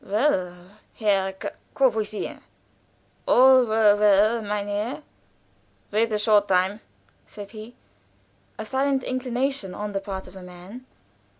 "Well, Herr Gr " "Courvoisier." "All were well, mein Herr." "Wait a short time," said he. A silent inclination on the part of the man.